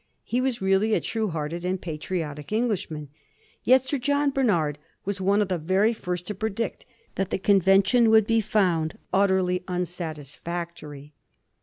He was really a true hearted and patriotic Eng lishman. Yet Sir John Barnard was one of the very first to predict that the convention would be found utterly unsatisfactory.